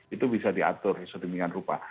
itu bisa diatur sedemikian rupa